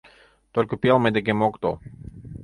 Только пиал мый декем ок тол.